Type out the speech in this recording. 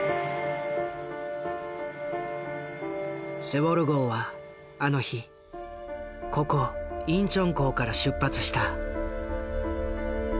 セウォル号はあの日ここインチョン港から出発した。